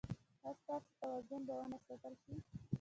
ایا ستاسو توازن به و نه ساتل شي؟